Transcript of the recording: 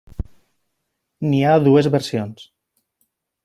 N'hi ha dues versions.